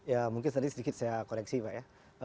ya mungkin tadi sedikit saya koreksi pak ya